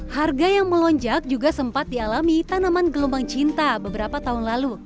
harga yang melonjak juga sempat dialami tanaman gelombang cinta beberapa tahun lalu